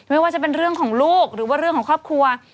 ไม่ว่าจะเป็นเรื่องของลูกหรือว่าเรื่องของครอบครัว